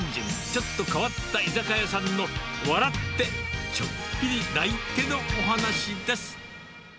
ちょっと変わった居酒屋さんの、笑って、ちょっぴり泣いてのお話です。